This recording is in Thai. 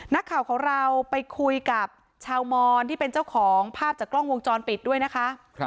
นักข่าวของเราไปคุยกับชาวมอนที่เป็นเจ้าของภาพจากกล้องวงจรปิดด้วยนะคะ